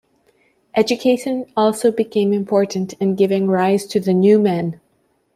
Education also became important in giving rise to the New Man.